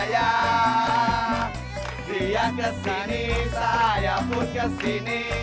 ya ya ya dia kesini saya pun kesini